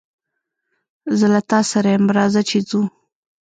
زه له تاسره ېم رازه چې ځو